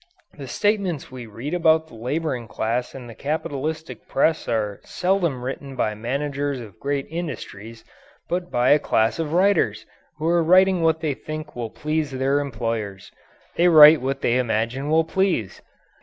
The statements we read about the labouring class in the capitalistic press are seldom written by managers of great industries, but by a class of writers who are writing what they think will please their employers. They write what they imagine will please.